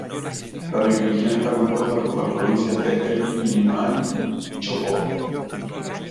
La región está compuesta por las provincias de Elqui, Limarí y Choapa.